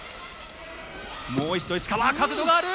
もう一度石川角度がある！